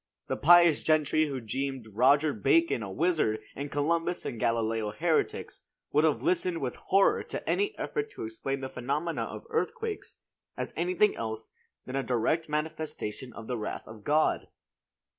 The pious gentry who deemed Roger Bacon a wizard and Columbus and Galileo heretics, would have listened with horror to any effort to explain the phenomena of earthquakes as anything else than a direct manifestation of the wrath of God.